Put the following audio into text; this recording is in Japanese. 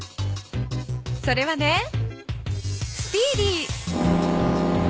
それはねスピーディー。